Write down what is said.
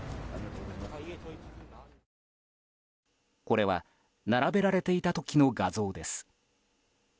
これは並べられていた時の画像です。